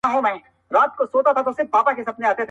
له آمو تر مست هلمنده مامن زما دی٫